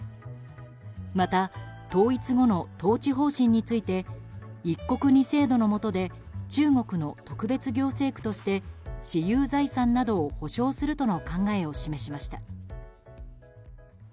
また、統一後の統治方針について一国二制度のもとで中国の特別行政区として私有財産などを保障するとの考えを示しました。